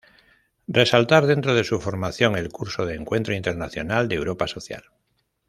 Resaltar dentro de su formación el curso de Encuentro Internacional de Europa Social.